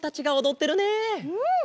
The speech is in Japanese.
うん！